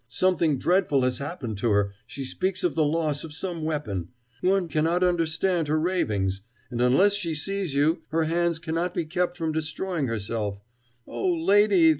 Something dreadful has happened to her she speaks of the loss of some weapon one cannot understand her ravings! And unless she sees you her hands cannot be kept from destroying herself Oh, lady!